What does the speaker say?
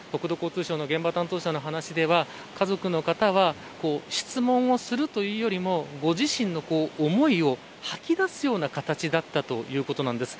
国土交通省の現場担当者の話では、家族の方は質問をするというよりもご自身の思いを吐き出すような形だったということなんです。